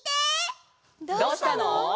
どうしたの？